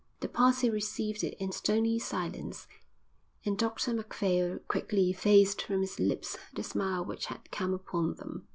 The party received it in stony silence, and Dr Macphail quickly effaced from his lips the smile which had come upon them.